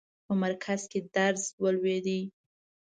په مرکز کې درز ولوېدی.